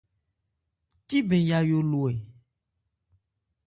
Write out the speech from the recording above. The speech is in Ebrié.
Cíbɛn Yayó lo ɛ ?